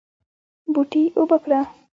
بوټي اوبه کړه